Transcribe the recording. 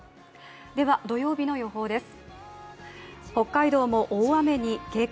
では、土曜日の予報です。